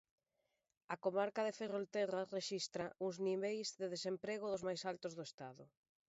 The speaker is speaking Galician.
A comarca de Ferrolterra rexistra uns niveis de desemprego dos máis altos do estado.